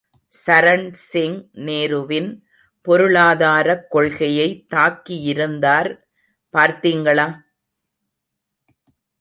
சரண் சிங், நேருவின் பொருளாதாரக் கொள்கையை தாக்கியிருந்தார் பார்த்திங்களா?